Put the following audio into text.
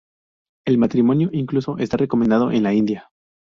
El matrimonio, incluso, está recomendado en la India.